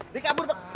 dia kabur pak